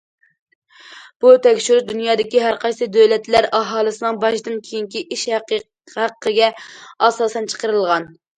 بۇ تەكشۈرۈش دۇنيادىكى ھەر قايسى دۆلەتلەر ئاھالىسىنىڭ باجدىن كېيىنكى ئىش ھەققىگە ئاساسەن چىقىرىلغان.